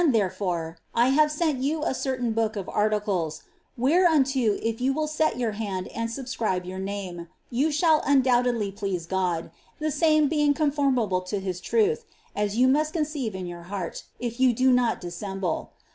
therefore, I have sent you a certain book of articles whereunto if you will set your hand and subscribe jrour name, you shall undoubtedly please God, tlie same being conformable to his truth, as you must conceive in your heart, if jrou do not dissemble.